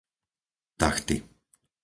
Tachty